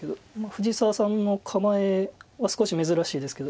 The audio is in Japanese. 藤沢さんの構えは少し珍しいですけど。